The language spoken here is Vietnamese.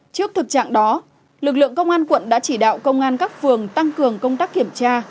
trước thực trạng đó lực lượng công an quận đã chỉ đạo công an các phường tăng cường công tác kiểm tra